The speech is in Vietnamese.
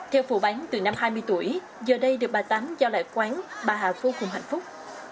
theo phụ bán từ năm hai mươi tuổi giờ đây được bà tám giao lại quán bà hà vô cùng hạnh phúc